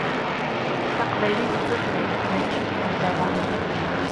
Taqbaylit d tutlayt mačči d tantala.